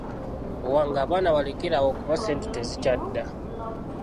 Owange abaana balekere awo kuba ssente tezikyadda.